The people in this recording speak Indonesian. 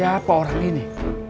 kenapa orang ini